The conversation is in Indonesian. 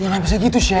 ya gak bisa gitu sel